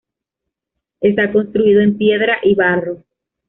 Está construido en piedra y barro.